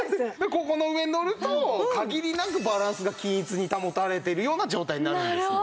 ここの上にのると限りなくバランスが均一に保たれてるような状態になるんですよ。